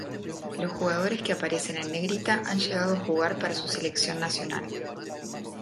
Los jugadores que aparecen en Negrita han llegado a jugar para su selección nacional.